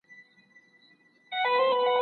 ولي د دیپلوماتیکو خبرو اترو ژبه بدلیږي؟